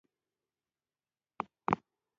دځنګل حاصلات د افغانستان د طبیعت یوه برخه ده.